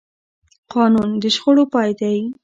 قانون د شخړو پای دی